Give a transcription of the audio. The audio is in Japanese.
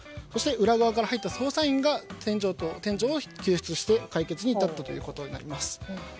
そして裏側から入った捜査員が店長を救出して解決に至ったということになります。